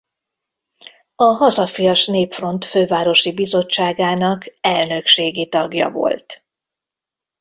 A Hazafias Népfront fővárosi bizottságának elnökségi tagja volt.